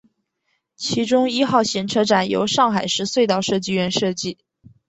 其中一号线车站由上海市隧道设计院设计。